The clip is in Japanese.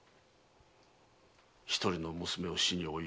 一人の娘を死に追いやり